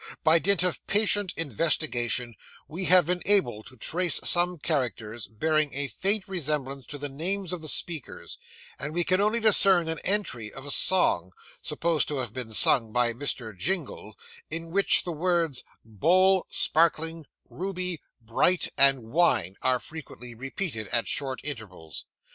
By dint of patient investigation, we have been enabled to trace some characters bearing a faint resemblance to the names of the speakers; and we can only discern an entry of a song (supposed to have been sung by Mr. Jingle), in which the words 'bowl' 'sparkling' 'ruby' 'bright' and 'wine' are frequently repeated at short intervals.